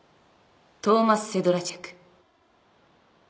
「トーマス・セドラチェク」